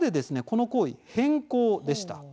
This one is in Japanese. この行為「変更」でした。